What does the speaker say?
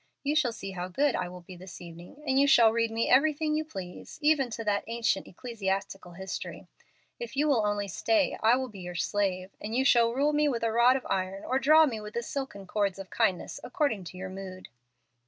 You shall see how good I will be this evening, and you shall read me everything you please, even to that 'Ancient Ecclesiastical History.' If you will only stay I will be your slave; and you shall rule me with a rod of iron or draw me with the silken cords of kindness, according to your mood."